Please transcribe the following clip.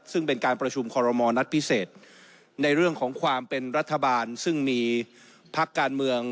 ซึ่งเป็นการประชุมคอรมอลนัดพิเศษในเรื่องของความเป็นรัฐบาลซึ่งมีพักการเมือง